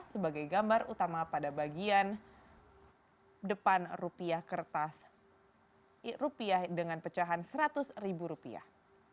sebagai gambar utama pada bagian depan rupiah kertas rupiah dengan pecahan seratus ribu rupiah